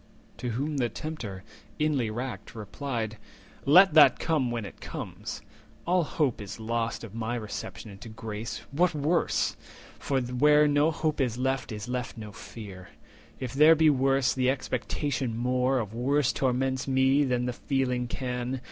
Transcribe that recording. To whom the Tempter, inly racked, replied:— "Let that come when it comes. All hope is lost Of my reception into grace; what worse? For where no hope is left is left no fear. If there be worse, the expectation more Of worse torments me than the feeling can.